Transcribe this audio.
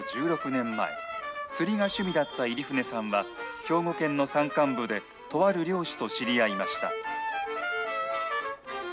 １６年前、釣りが趣味だった入舩さんは、兵庫県の山間部で、とある猟師と知り合いました。